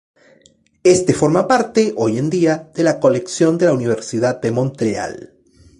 Éste forma parte, hoy en día, de la colección de la Universidad de Montreal.